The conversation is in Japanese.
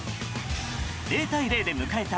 ０対０で迎えた